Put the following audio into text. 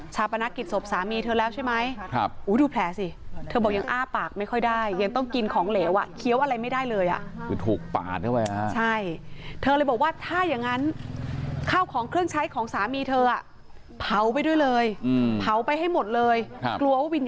ใช่แล้วเธอก็บอกเลยว่าอ๋อชาปนักกิจโสบสามีเธอแล้วใช่มั้ย